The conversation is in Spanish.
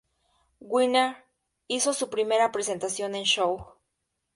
Winner hizo su primera presentación en Show!